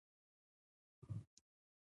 هیڅوک هوا بندولی نشي.